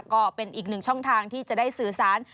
ก็เป็นอีกหนึ่งช่องทางที่จะได้สื่อสาร